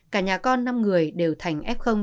cả nhà con năm người đều thành f